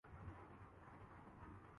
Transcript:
غیر یقینی صورتحال میں ملکی ترقی ممکن نہیں۔